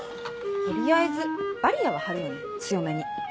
取りあえずバリアーは張るよね強めに。